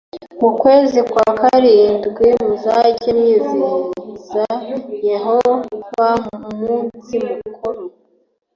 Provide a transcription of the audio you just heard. mu kwezi kwa karindwi muzajye mwizihiriza yehova umunsi mukuru